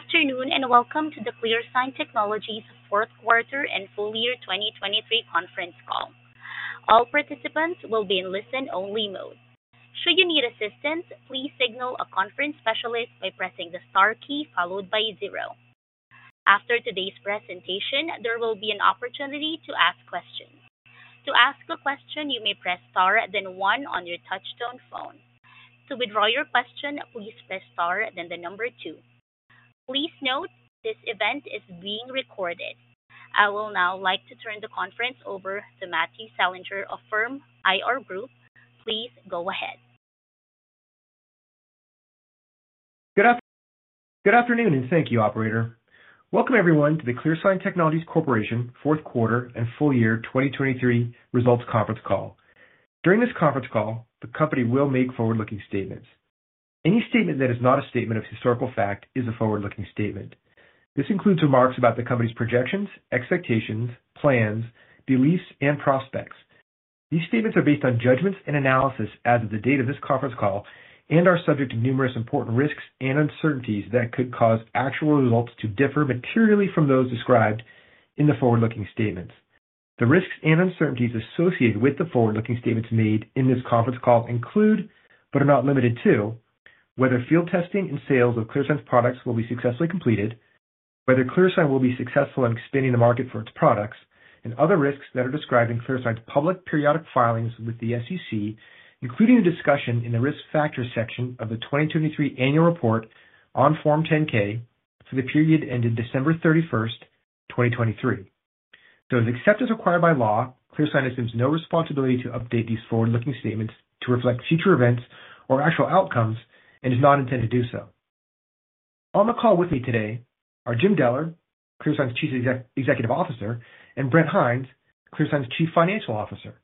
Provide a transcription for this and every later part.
Good afternoon and welcome to the ClearSign Technologies 4th Quarter and Full Year 2023 Conference Call. All participants will be in listen-only mode. Should you need assistance, please signal a conference specialist by pressing the star key followed by 0. After today's presentation, there will be an opportunity to ask questions. To ask a question, you may press star then 1 on your touchtone phone. To withdraw your question, please press star then the number 2. Please note, this event is being recorded. I will now like to turn the conference over to Matthew Selinger of our IR group, please go ahead. Good afternoon and thank you, operator. Welcome everyone to the ClearSign Technologies Corporation 4th Quarter and Full Year 2023 Results Conference Call. During this conference call, the company will make forward-looking statements. Any statement that is not a statement of historical fact is a forward-looking statement. This includes remarks about the company's projections, expectations, plans, beliefs, and prospects. These statements are based on judgments and analysis as of the date of this conference call and are subject to numerous important risks and uncertainties that could cause actual results to differ materially from those described in the forward-looking statements. The risks and uncertainties associated with the forward-looking statements made in this conference call include, but are not limited to, whether field testing and sales of ClearSign products will be successfully completed, whether ClearSign will be successful in expanding the market for its products, and other risks that are described in ClearSign's public periodic filings with the SEC, including the discussion in the risk factors section of the 2023 Annual Report on Form 10-K for the period ended December 31st, 2023. Except as required by law, ClearSign assumes no responsibility to update these forward-looking statements to reflect future events or actual outcomes and is not intended to do so. On the call with me today are Jim Deller, ClearSign's Chief Executive Officer, and Brent Hinds, ClearSign's Chief Financial Officer.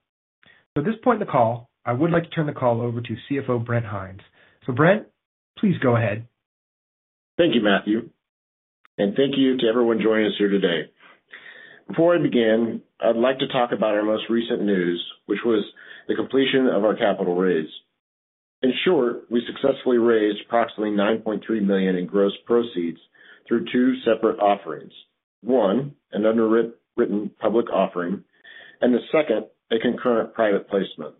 So at this point in the call, I would like to turn the call over to CFO Brent Hinds. Brent, please go ahead. Thank you, Matthew. Thank you to everyone joining us here today. Before I begin, I'd like to talk about our most recent news, which was the completion of our capital raise. In short, we successfully raised approximately $9.3 million in gross proceeds through two separate offerings, one an underwritten public offering, and the second a concurrent private placement.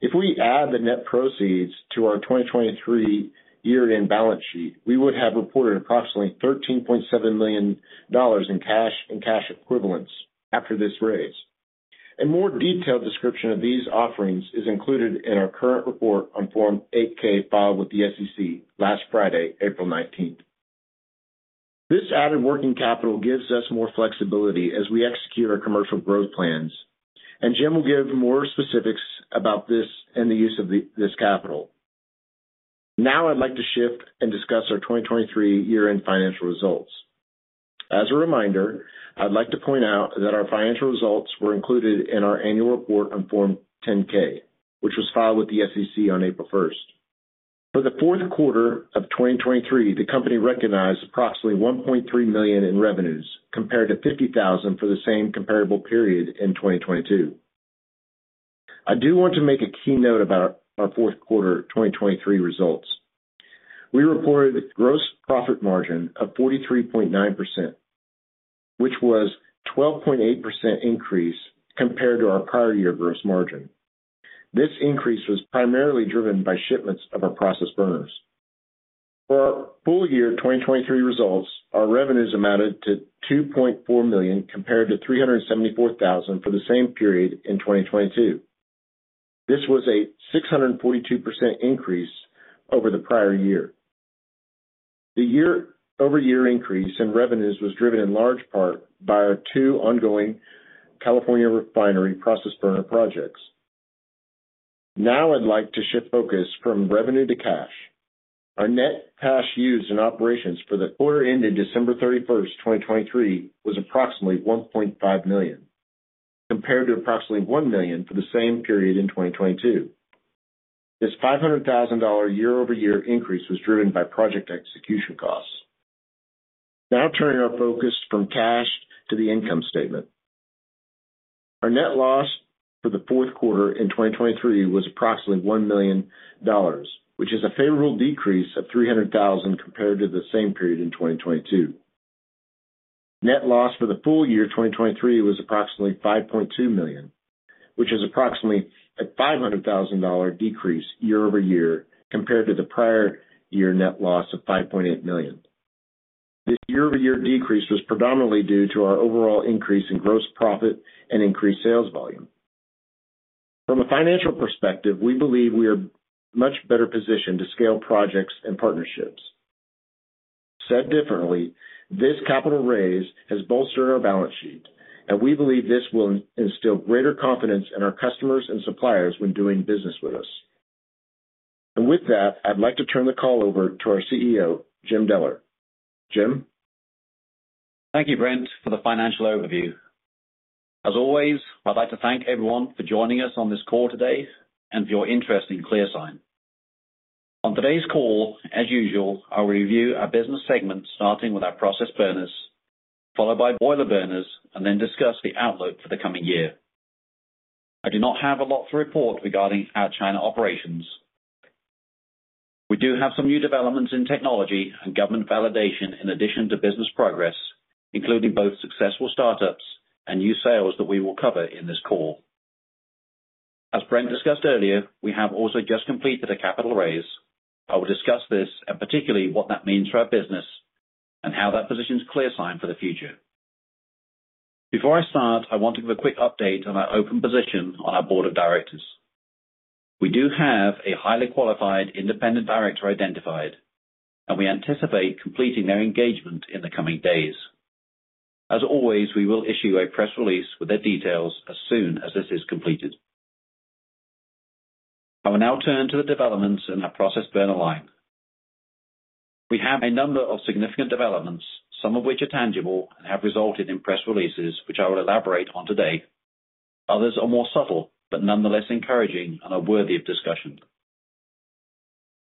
If we add the net proceeds to our 2023 year-end balance sheet, we would have reported approximately $13.7 million in cash equivalents after this raise. A more detailed description of these offerings is included in our current report on Form 8-K filed with the SEC last Friday, April 19th. This added working capital gives us more flexibility as we execute our commercial growth plans, and Jim will give more specifics about this and the use of this capital. Now I'd like to shift and discuss our 2023 year-end financial results. As a reminder, I'd like to point out that our financial results were included in our annual report on Form 10-K, which was filed with the SEC on April 1st. For the fourth quarter of 2023, the company recognized approximately $1.3 million in revenues compared to $50,000 for the same comparable period in 2022. I do want to make a key note about our fourth quarter 2023 results. We reported a gross profit margin of 43.9%, which was a 12.8% increase compared to our prior year gross margin. This increase was primarily driven by shipments of our process burners. For our full year 2023 results, our revenues amounted to $2.4 million compared to $374,000 for the same period in 2022. This was a 642% increase over the prior year. The year-over-year increase in revenues was driven in large part by our two ongoing California refinery process burner projects. Now I'd like to shift focus from revenue to cash. Our net cash used in operations for the quarter ended December 31st, 2023, was approximately $1.5 million compared to approximately $1 million for the same period in 2022. This $500,000 year-over-year increase was driven by project execution costs. Now turning our focus from cash to the income statement. Our net loss for the fourth quarter in 2023 was approximately $1 million, which is a favorable decrease of $300,000 compared to the same period in 2022. Net loss for the full year 2023 was approximately $5.2 million, which is approximately a $500,000 decrease year-over-year compared to the prior year net loss of $5.8 million. This year-over-year decrease was predominantly due to our overall increase in gross profit and increased sales volume. From a financial perspective, we believe we are much better positioned to scale projects and partnerships. Said differently, this capital raise has bolstered our balance sheet, and we believe this will instill greater confidence in our customers and suppliers when doing business with us. And with that, I'd like to turn the call over to our CEO, Jim Deller. Jim? Thank you, Brent, for the financial overview. As always, I'd like to thank everyone for joining us on this call today and for your interest in ClearSign. On today's call, as usual, I will review our business segment starting with our process burners, followed by boiler burners, and then discuss the outlook for the coming year. I do not have a lot to report regarding our China operations. We do have some new developments in technology and government validation in addition to business progress, including both successful startups and new sales that we will cover in this call. As Brent discussed earlier, we have also just completed a capital raise. I will discuss this and particularly what that means for our business and how that positions ClearSign for the future. Before I start, I want to give a quick update on our open position on our board of directors. We do have a highly qualified independent director identified, and we anticipate completing their engagement in the coming days. As always, we will issue a press release with their details as soon as this is completed. I will now turn to the developments in our process burner line. We have a number of significant developments, some of which are tangible and have resulted in press releases which I will elaborate on today. Others are more subtle but nonetheless encouraging and are worthy of discussion.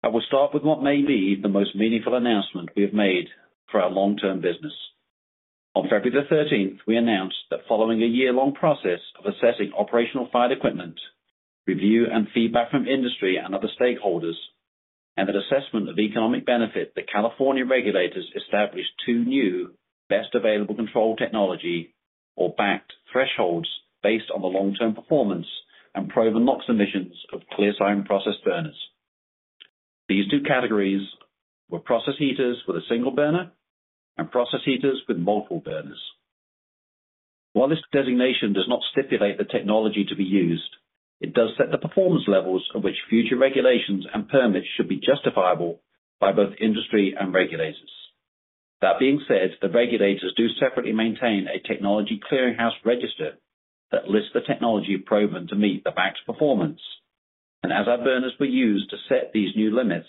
I will start with what may be the most meaningful announcement we have made for our long-term business. On February the 13th, we announced that following a year-long process of assessing operational fired equipment, review and feedback from industry and other stakeholders, and the assessment of economic benefit, the California regulators established two new Best Available Control Technology or BACT thresholds based on the long-term performance and proven NOx emissions of ClearSign process burners. These two categories were process heaters with a single burner and process heaters with multiple burners. While this designation does not stipulate the technology to be used, it does set the performance levels of which future regulations and permits should be justifiable by both industry and regulators. That being said, the regulators do separately maintain a technology clearinghouse register that lists the technology proven to meet the BACT performance. And as our burners were used to set these new limits,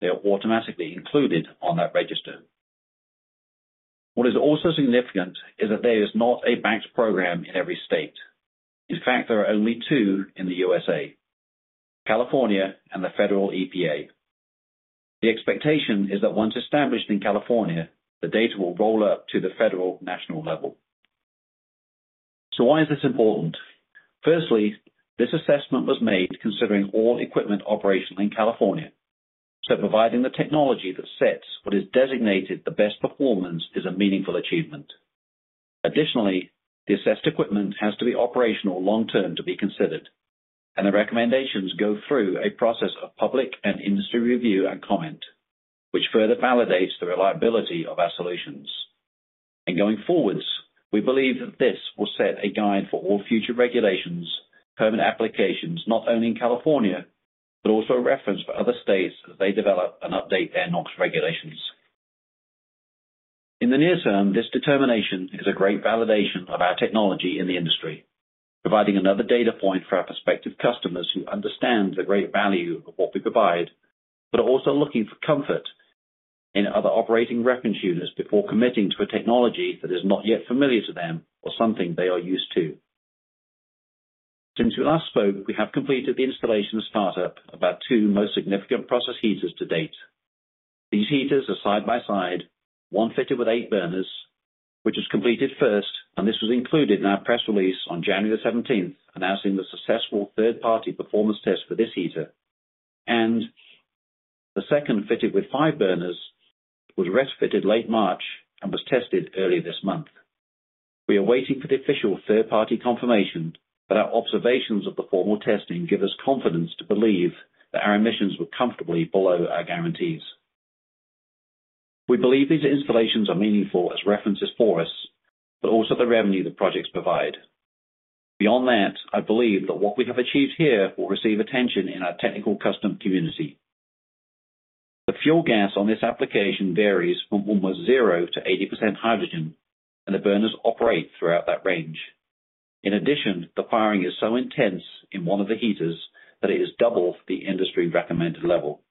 they are automatically included on that register. What is also significant is that there is not a BACT program in every state. In fact, there are only two in the USA: California and the federal EPA. The expectation is that once established in California, the data will roll up to the federal national level. So why is this important? Firstly, this assessment was made considering all equipment operational in California. Providing the technology that sets what is designated the best performance is a meaningful achievement. Additionally, the assessed equipment has to be operational long-term to be considered. The recommendations go through a process of public and industry review and comment, which further validates the reliability of our solutions. Going forwards, we believe that this will set a guide for all future regulations, permanent applications, not only in California, but also a reference for other states as they develop and update their NOx regulations. In the near term, this determination is a great validation of our technology in the industry, providing another data point for our prospective customers who understand the great value of what we provide, but are also looking for comfort in other operating reference units before committing to a technology that is not yet familiar to them or something they are used to. Since we last spoke, we have completed the installation of startup about 2 most significant process heaters to date. These heaters are side by side, one fitted with 8 burners, which was completed first, and this was included in our press release on January the 17th announcing the successful third-party performance test for this heater. The second fitted with 5 burners was refitted late March and was tested early this month. We are waiting for the official third-party confirmation, but our observations of the formal testing give us confidence to believe that our emissions were comfortably below our guarantees. We believe these installations are meaningful as references for us, but also the revenue the projects provide. Beyond that, I believe that what we have achieved here will receive attention in our technical custom community. The fuel gas on this application varies from almost 0 to 80% hydrogen, and the burners operate throughout that range. In addition, the firing is so intense in one of the heaters that it is double the industry recommended level.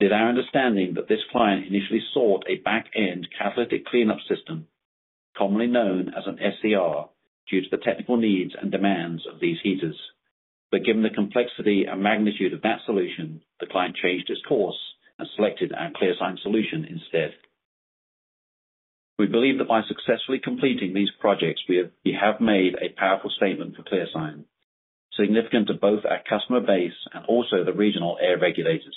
It is our understanding that this client initially sought a back-end catalytic cleanup system, commonly known as an SCR, due to the technical needs and demands of these heaters. But given the complexity and magnitude of that solution, the client changed its course and selected our ClearSign solution instead. We believe that by successfully completing these projects, we have made a powerful statement for ClearSign, significant to both our customer base and also the regional air regulators.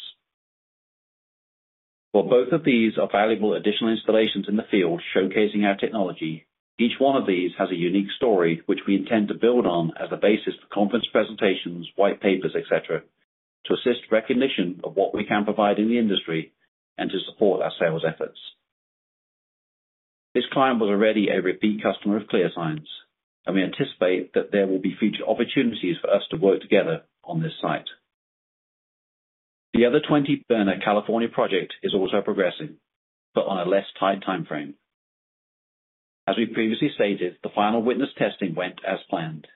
While both of these are valuable additional installations in the field showcasing our technology, each one of these has a unique story which we intend to build on as the basis for conference presentations, white papers, etc., to assist recognition of what we can provide in the industry and to support our sales efforts. This client was already a repeat customer of ClearSign's, and we anticipate that there will be future opportunities for us to work together on this site. The other 20-burner California project is also progressing, but on a less tight timeframe. As we previously stated, the final witness testing went as planned.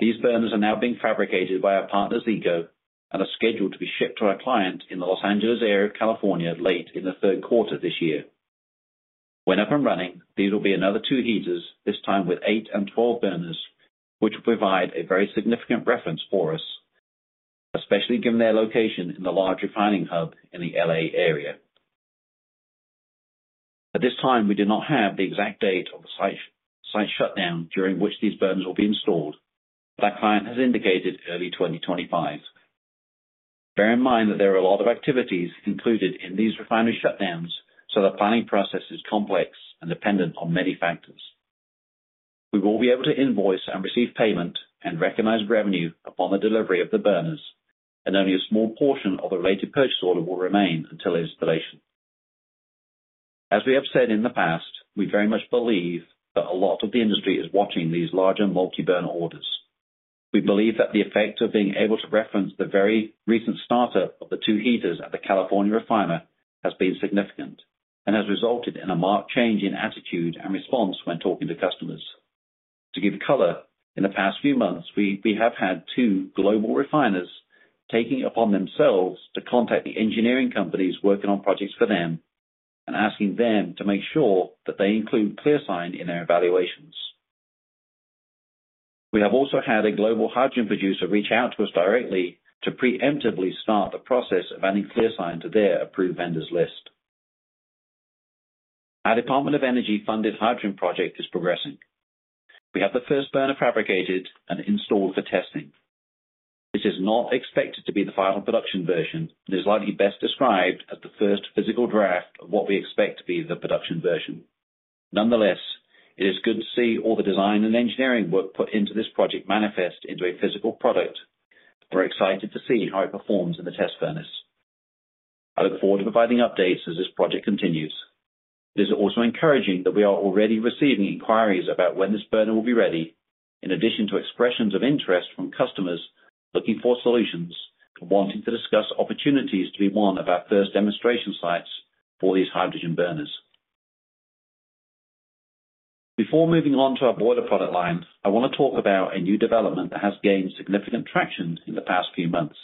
These burners are now being fabricated by our partner Zeeco and are scheduled to be shipped to our client in the Los Angeles area of California late in the third quarter this year. When up and running, these will be another two heaters, this time with 8 and 12 burners, which will provide a very significant reference for us, especially given their location in the large refining hub in the L.A. area. At this time, we do not have the exact date of the site shutdown during which these burners will be installed, but our client has indicated early 2025. Bear in mind that there are a lot of activities included in these refinery shutdowns, so the planning process is complex and dependent on many factors. We will be able to invoice and receive payment and recognize revenue upon the delivery of the burners, and only a small portion of the related purchase order will remain until installation. As we have said in the past, we very much believe that a lot of the industry is watching these larger multi-burner orders. We believe that the effect of being able to reference the very recent startup of the two heaters at the California refiner has been significant and has resulted in a marked change in attitude and response when talking to customers. To give color, in the past few months, we have had two global refiners taking upon themselves to contact the engineering companies working on projects for them and asking them to make sure that they include ClearSign in their evaluations. We have also had a global hydrogen producer reach out to us directly to preemptively start the process of adding ClearSign to their approved vendors list. Our Department of Energy-funded hydrogen project is progressing. We have the first burner fabricated and installed for testing. This is not expected to be the final production version. It is likely best described as the first physical draft of what we expect to be the production version. Nonetheless, it is good to see all the design and engineering work put into this project manifest into a physical product. We're excited to see how it performs in the test furnace. I look forward to providing updates as this project continues. It is also encouraging that we are already receiving inquiries about when this burner will be ready, in addition to expressions of interest from customers looking for solutions and wanting to discuss opportunities to be one of our first demonstration sites for these hydrogen burners. Before moving on to our boiler product line, I want to talk about a new development that has gained significant traction in the past few months.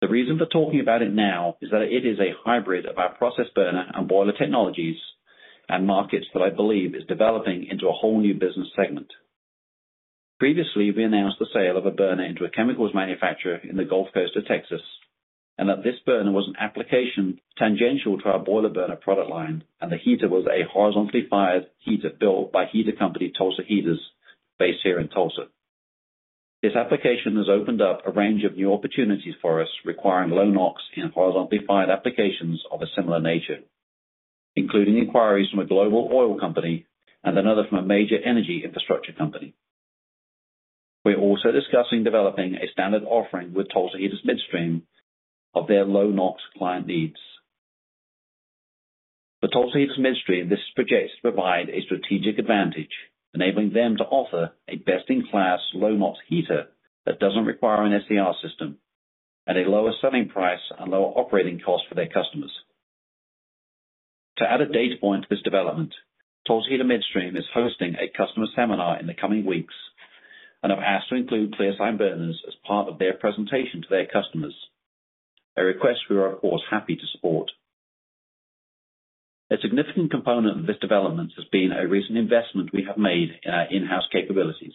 The reason for talking about it now is that it is a hybrid of our process burner and boiler technologies and markets that I believe is developing into a whole new business segment. Previously, we announced the sale of a burner into a chemicals manufacturer in the Gulf Coast of Texas and that this burner was an application tangential to our boiler burner product line, and the heater was a horizontally fired heater built by heater company Tulsa Heaters based here in Tulsa. This application has opened up a range of new opportunities for us requiring low NOx in horizontally fired applications of a similar nature, including inquiries from a global oil company and another from a major energy infrastructure company. We're also discussing developing a standard offering with Tulsa Heaters Midstream of their low NOx client needs. For Tulsa Heaters Midstream, this projects to provide a strategic advantage, enabling them to offer a best-in-class low NOx heater that doesn't require an SCR system and a lower selling price and lower operating cost for their customers. To add a data point to this development, Tulsa Heaters Midstream is hosting a customer seminar in the coming weeks and have asked to include ClearSign burners as part of their presentation to their customers, a request we are, of course, happy to support. A significant component of this development has been a recent investment we have made in our in-house capabilities.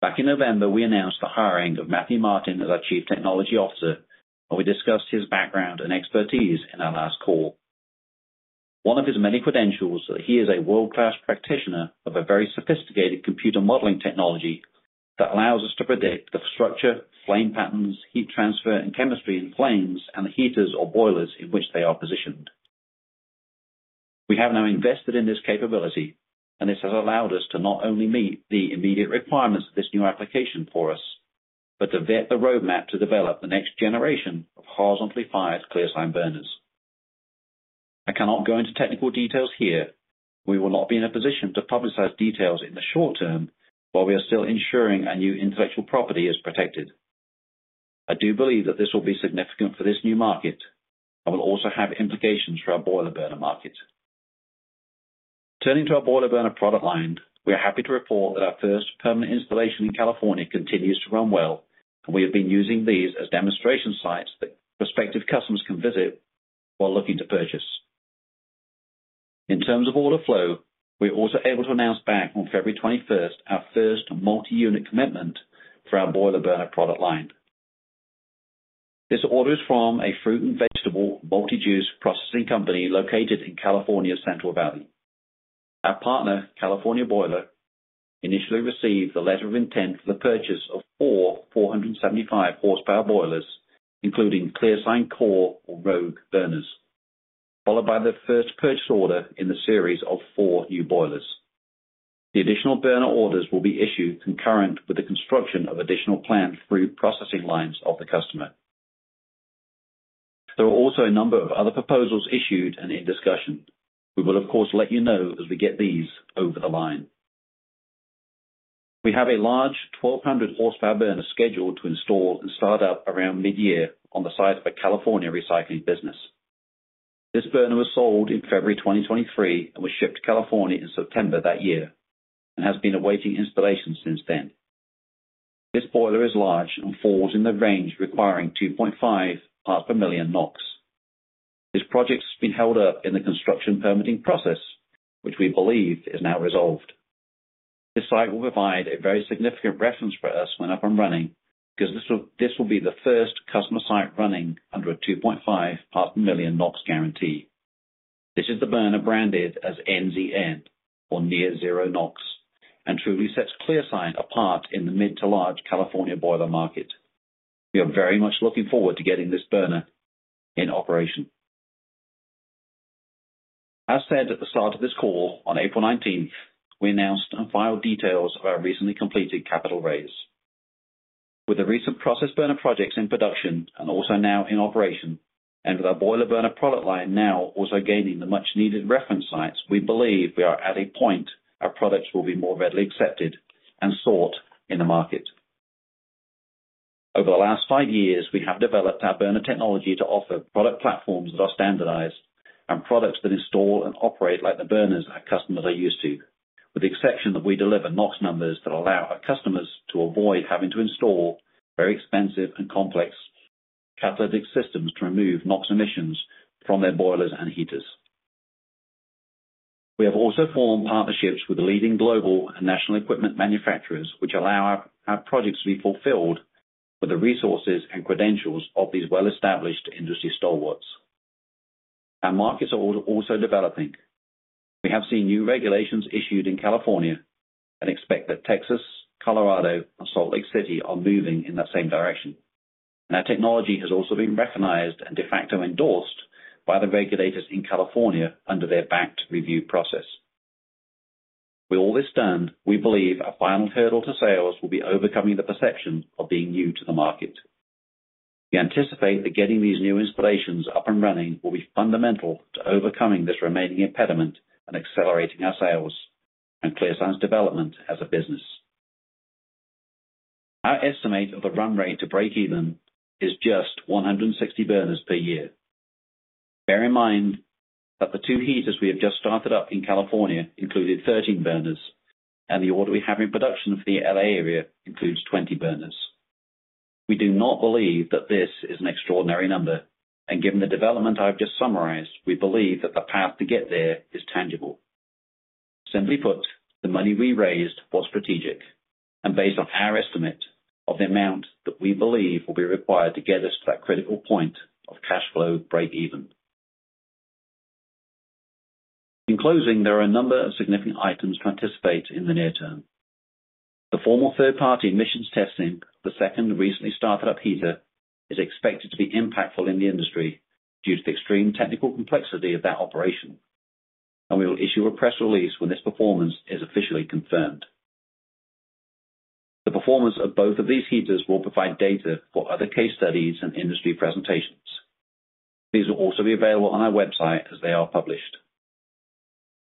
Back in November, we announced the hiring of Matthew Martin as our Chief Technology Officer, and we discussed his background and expertise in our last call. One of his many credentials is that he is a world-class practitioner of a very sophisticated computer modeling technology that allows us to predict the structure, flame patterns, heat transfer, and chemistry in flames and the heaters or boilers in which they are positioned. We have now invested in this capability, and this has allowed us to not only meet the immediate requirements of this new application for us, but to vet the roadmap to develop the next generation of horizontally fired ClearSign burners. I cannot go into technical details here. We will not be in a position to publicize details in the short term while we are still ensuring our new intellectual property is protected. I do believe that this will be significant for this new market and will also have implications for our boiler burner market. Turning to our boiler burner product line, we are happy to report that our first permanent installation in California continues to run well, and we have been using these as demonstration sites that prospective customers can visit while looking to purchase. In terms of order flow, we are also able to announce back on February 21st our first multi-unit commitment for our boiler burner product line. This order is from a fruit and vegetable multi-juice processing company located in California Central Valley. Our partner, California Boiler, initially received the letter of intent for the purchase of four 475-horsepower boilers, including ClearSign Core or Rogue burners, followed by the first purchase order in the series of four new boilers. The additional burner orders will be issued concurrent with the construction of additional plant fruit processing lines of the customer. There are also a number of other proposals issued and in discussion. We will, of course, let you know as we get these over the line. We have a large 1,200-horsepower burner scheduled to install and start up around midyear on the site of a California recycling business. This burner was sold in February 2023 and was shipped to California in September that year and has been awaiting installation since then. This boiler is large and falls in the range requiring 2.5 parts per million NOx. This project has been held up in the construction permitting process, which we believe is now resolved. This site will provide a very significant reference for us when up and running because this will be the first customer site running under a 2.5 parts per million NOx guarantee. This is the burner branded as NZN, or near zero NOx, and truly sets ClearSign apart in the mid to large California boiler market. We are very much looking forward to getting this burner in operation. As said at the start of this call on April 19th, we announced and filed details of our recently completed capital raise. With the recent process burner projects in production and also now in operation, and with our boiler burner product line now also gaining the much-needed reference sites, we believe we are at a point our products will be more readily accepted and sought in the market. Over the last five years, we have developed our burner technology to offer product platforms that are standardized and products that install and operate like the burners our customers are used to, with the exception that we deliver NOx numbers that allow our customers to avoid having to install very expensive and complex catalytic systems to remove NOx emissions from their boilers and heaters. We have also formed partnerships with the leading global and national equipment manufacturers, which allow our projects to be fulfilled with the resources and credentials of these well-established industry stalwarts. Our markets are also developing. We have seen new regulations issued in California and expect that Texas, Colorado, and Salt Lake City are moving in that same direction. Our technology has also been recognized and de facto endorsed by the regulators in California under their BACT review process. With all this done, we believe our final hurdle to sales will be overcoming the perception of being new to the market. We anticipate that getting these new installations up and running will be fundamental to overcoming this remaining impediment and accelerating our sales and ClearSign's development as a business. Our estimate of the run rate to break even is just 160 burners per year. Bear in mind that the two heaters we have just started up in California included 13 burners, and the order we have in production for the L.A. area includes 20 burners. We do not believe that this is an extraordinary number, and given the development I've just summarized, we believe that the path to get there is tangible. Simply put, the money we raised was strategic and based on our estimate of the amount that we believe will be required to get us to that critical point of cash flow break even. In closing, there are a number of significant items to anticipate in the near term. The formal third-party emissions testing of the second recently started up heater is expected to be impactful in the industry due to the extreme technical complexity of that operation, and we will issue a press release when this performance is officially confirmed. The performance of both of these heaters will provide data for other case studies and industry presentations. These will also be available on our website as they are published.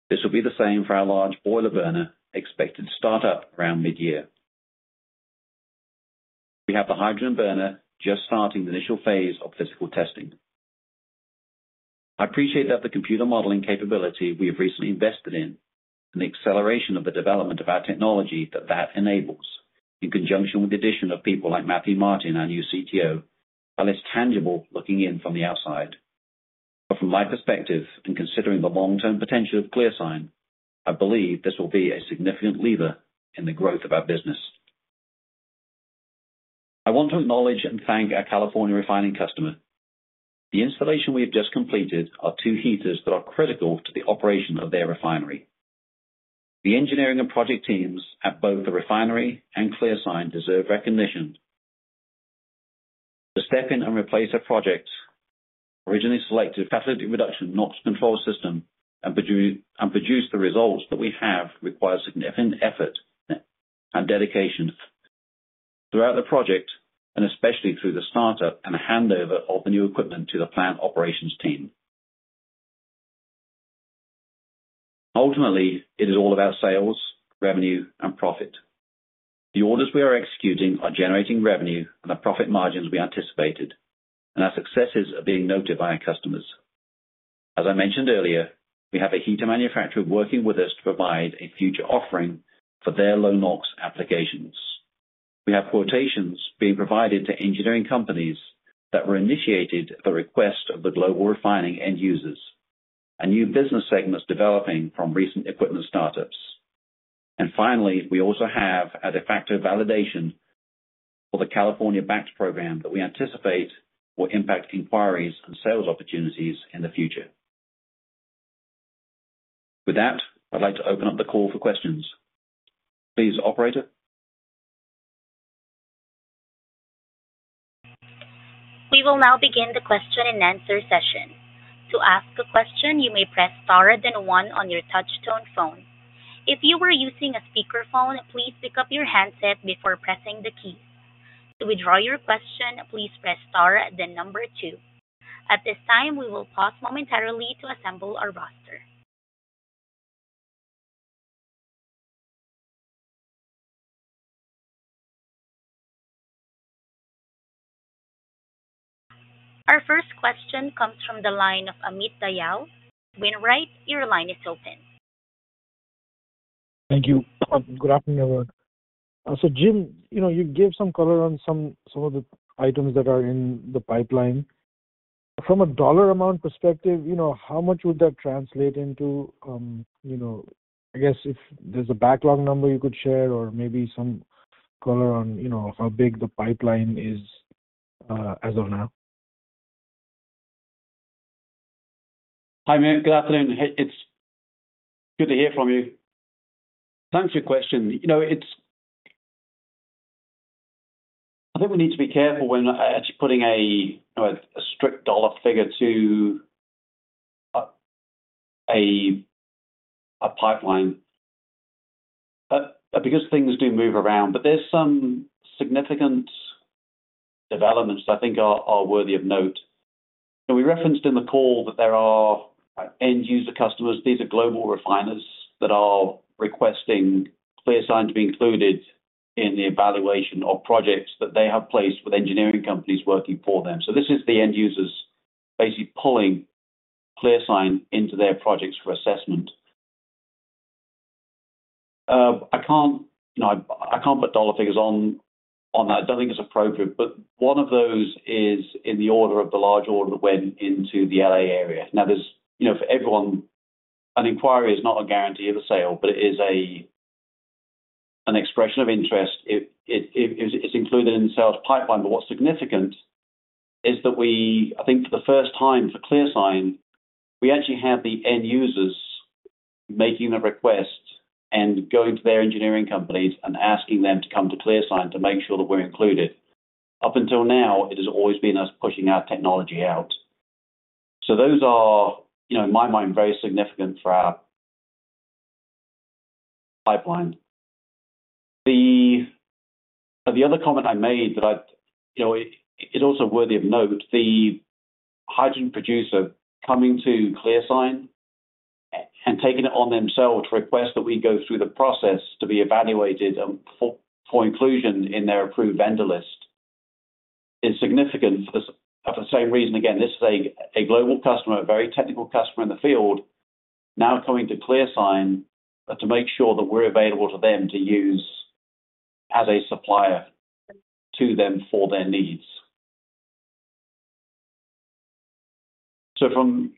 This will be the same for our large boiler burner expected to start up around midyear. We have the hydrogen burner just starting the initial phase of physical testing. I appreciate that the computer modeling capability we have recently invested in and the acceleration of the development of our technology that that enables, in conjunction with the addition of people like Matthew Martin, our new CTO, are less tangible looking in from the outside. But from my perspective and considering the long-term potential of ClearSign, I believe this will be a significant lever in the growth of our business. I want to acknowledge and thank our California refining customer. The installation we have just completed are two heaters that are critical to the operation of their refinery. The engineering and project teams at both the refinery and ClearSign deserve recognition. To step in and replace our project, originally selected catalytic reduction NOx control system and produce the results that we have requires significant effort and dedication throughout the project, and especially through the startup and handover of the new equipment to the plant operations team. Ultimately, it is all about sales, revenue, and profit. The orders we are executing are generating revenue and the profit margins we anticipated, and our successes are being noted by our customers. As I mentioned earlier, we have a heater manufacturer working with us to provide a future offering for their low NOx applications. We have quotations being provided to engineering companies that were initiated at the request of the global refining end users, and new business segments developing from recent equipment startups. And finally, we also have a de facto validation for the California BACT program that we anticipate will impact inquiries and sales opportunities in the future. With that, I'd like to open up the call for questions. Please, operator. We will now begin the question-and-answer session. To ask a question, you may press star, then 1 on your touch-tone phone. If you were using a speakerphone, please pick up your handset before pressing the keys. To withdraw your question, please press star, then number 2. At this time, we will pause momentarily to assemble our roster. Our first question comes from the line of Amit Dayal. When ready, your line is open. Thank you. Good afternoon, everyone. So, Jim, you gave some color on some of the items that are in the pipeline. From a dollar amount perspective, how much would that translate into? I guess if there's a backlog number you could share, or maybe some color on how big the pipeline is as of now. Hi, Amit. Good afternoon. It's good to hear from you. Thanks for your question. I think we need to be careful when actually putting a strict dollar figure to a pipeline because things do move around. But there's some significant developments that I think are worthy of note. We referenced in the call that there are end-user customers. These are global refiners that are requesting ClearSign to be included in the evaluation of projects that they have placed with engineering companies working for them. So this is the end users basically pulling ClearSign into their projects for assessment. I can't put dollar figures on that. I don't think it's appropriate. But one of those is in the order of the large order that went into the L.A. area. Now, for everyone, an inquiry is not a guarantee of a sale, but it is an expression of interest. It's included in the sales pipeline. But what's significant is that we, I think for the first time for ClearSign, we actually had the end users making the request and going to their engineering companies and asking them to come to ClearSign to make sure that we're included. Up until now, it has always been us pushing our technology out. So those are, in my mind, very significant for our pipeline. The other comment I made that is also worthy of note, the hydrogen producer coming to ClearSign and taking it on themselves to request that we go through the process to be evaluated for inclusion in their approved vendor list is significant for the same reason. Again, this is a global customer, a very technical customer in the field, now coming to ClearSign to make sure that we're available to them to use as a supplier to them for their needs. So from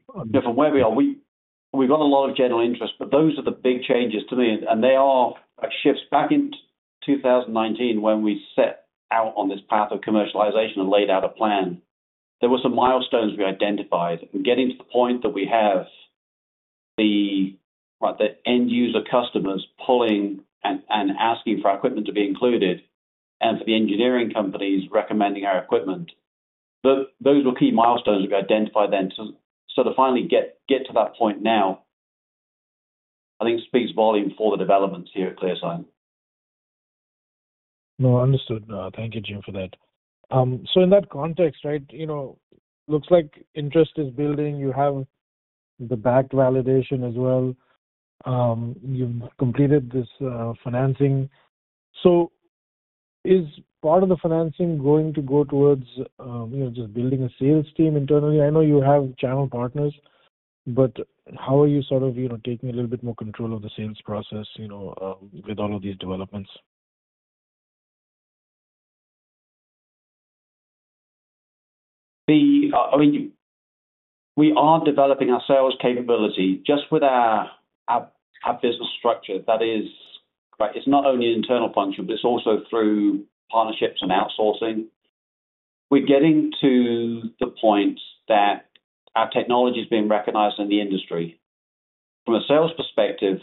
where we are, we've got a lot of general interest. But those are the big changes to me. They are shifts back in 2019 when we set out on this path of commercialization and laid out a plan. There were some milestones we identified. Getting to the point that we have the end-user customers pulling and asking for our equipment to be included and for the engineering companies recommending our equipment, those were key milestones that we identified then. So to finally get to that point now, I think speaks volumes for the developments here at ClearSign. No, understood. Thank you, Jim, for that. So in that context, right, it looks like interest is building. You have the backed validation as well. You've completed this financing. So is part of the financing going to go towards just building a sales team internally? I know you have channel partners. But how are you sort of taking a little bit more control of the sales process with all of these developments? I mean, we are developing our sales capability just with our business structure. That is, it's not only an internal function, but it's also through partnerships and outsourcing. We're getting to the point that our technology is being recognized in the industry. From a sales perspective,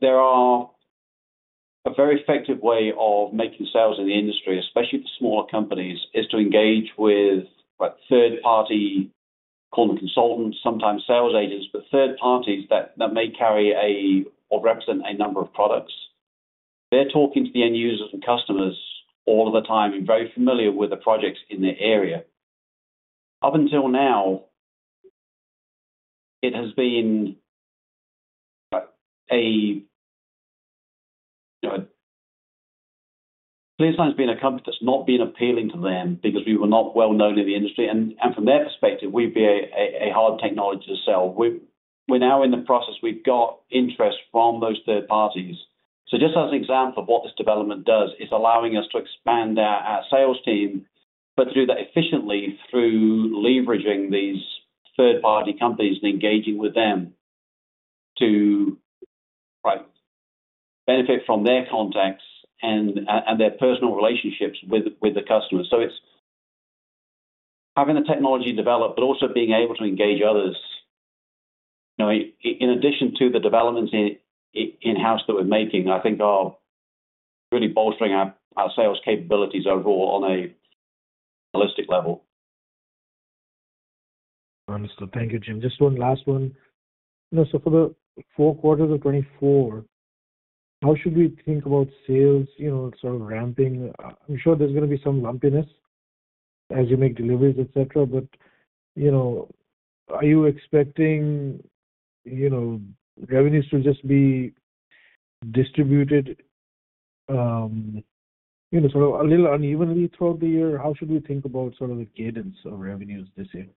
there are a very effective way of making sales in the industry, especially for smaller companies, is to engage with third-party, call them consultants, sometimes sales agents, but third parties that may carry or represent a number of products. They're talking to the end users and customers all of the time and very familiar with the projects in their area. Up until now, ClearSign has been a company that's not been appealing to them because we were not well known in the industry. And from their perspective, we'd be a hard technology to sell. We're now in the process. We've got interest from those third parties. So just as an example of what this development does, it's allowing us to expand our sales team, but to do that efficiently through leveraging these third-party companies and engaging with them to benefit from their contacts and their personal relationships with the customers. So it's having the technology develop, but also being able to engage others. In addition to the developments in-house that we're making, I think are really bolstering our sales capabilities overall on a holistic level. Understood. Thank you, Jim. Just one last one. So for the fourth quarter of 2024, how should we think about sales sort of ramping? I'm sure there's going to be some lumpiness as you make deliveries, etc. But are you expecting revenues to just be distributed sort of a little unevenly throughout the year? How should we think about sort of the cadence of revenues this year?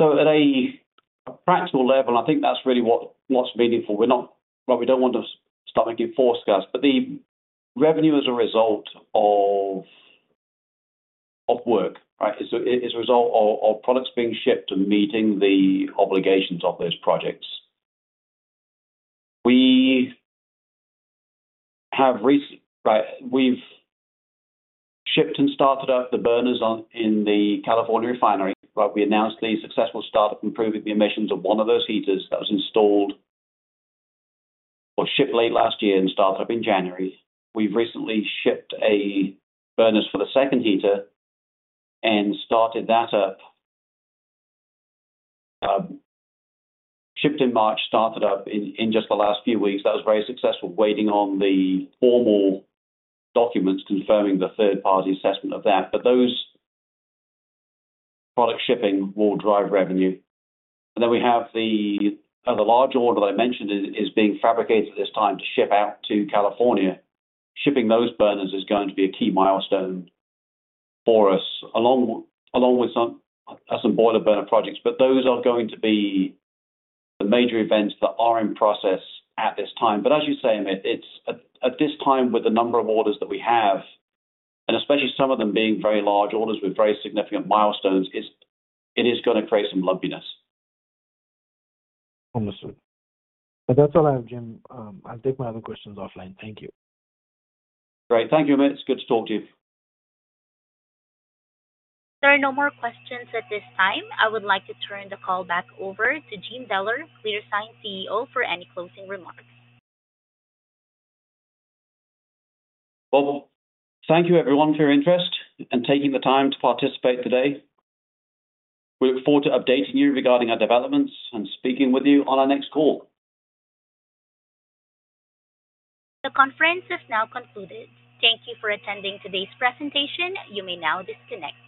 At a practical level, and I think that's really what's meaningful, right? We don't want to start making forecasts. The revenue as a result of work, right, is a result of products being shipped and meeting the obligations of those projects. We've shipped and started up the burners in the California refinery. We announced the successful startup improving the emissions of one of those heaters that was installed or shipped late last year and started up in January. We've recently shipped burners for the second heater and started that up, shipped in March, started up in just the last few weeks. That was very successful, waiting on the formal documents confirming the third-party assessment of that. Those product shipments will drive revenue. We have the other large order that I mentioned is being fabricated at this time to ship out to California. Shipping those burners is going to be a key milestone for us, along with some boiler burner projects. But those are going to be the major events that are in process at this time. But as you say, Mehdi, at this time, with the number of orders that we have, and especially some of them being very large orders with very significant milestones, it is going to create some lumpiness. Understood. That's all I have, Jim. I'll take my other questions offline. Thank you. Great. Thank you, Mehdi. It's good to talk to you. There are no more questions at this time. I would like to turn the call back over to Jim Deller, ClearSign CEO, for any closing remarks. Well, thank you, everyone, for your interest and taking the time to participate today. We look forward to updating you regarding our developments and speaking with you on our next call. The conference is now concluded. Thank you for attending today's presentation. You may now disconnect.